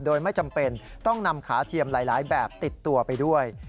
โดยไม่จำเป็นต้องนำขาเทียมหลายแบบติดตัวไปด้วย